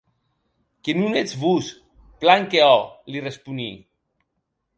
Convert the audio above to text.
Que non ètz vos, plan que òc, li responí.